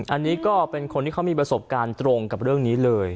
อันนี้ก็เป็นคนที่เขามีประสบการณ์ตรงกับเรื่องนี้เลย